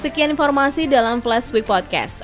sekian informasi dalam flashweek podcast